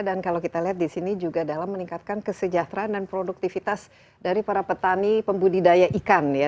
dan kalau kita lihat di sini juga dalam meningkatkan kesejahteraan dan produktivitas dari para petani pembudidaya ikan ya